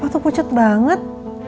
papa tuh pucat banget